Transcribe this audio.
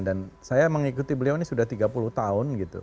dan saya mengikuti beliau ini sudah tiga puluh tahun gitu